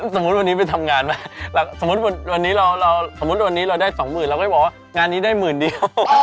สมมุติวันนี้ไปทำงานไหมสมมุติวันนี้เราสมมุติวันนี้เราได้สองหมื่นเราก็จะบอกว่างานนี้ได้หมื่นเดียว